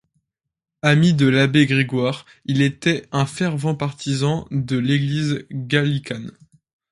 Ami de l'Abbé Grégoire, il était un fervent partisan de l'Église gallicane.